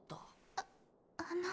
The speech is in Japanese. ああの。